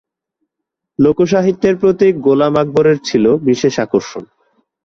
লোকসাহিত্যের প্রতি গোলাম আকবরের ছিল বিশেষ আকর্ষণ।